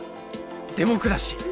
デモクラシー。